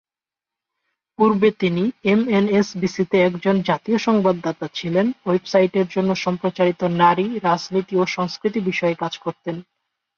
পূর্বে, তিনি এমএসএনবিসি-তে একজন জাতীয় সংবাদদাতা ছিলেন, ওয়েবসাইটের জন্য সম্প্রচারিত নারী, রাজনীতি ও সংস্কৃতি বিষয়ে কাজ করতেন।